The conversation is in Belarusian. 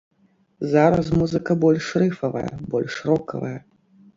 Зараз музыка больш рыфавая, больш рокавая.